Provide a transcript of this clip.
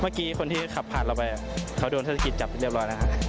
เมื่อกี้คนที่ขับผ่านเราไปเขาโดนเทศกิจจับเรียบร้อยแล้วครับ